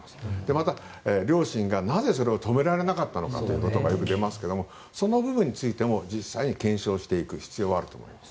また、両親がなぜそれを止められなかったのかということがよく出ますけどもその部分についても実際に検証していく必要はあると思います。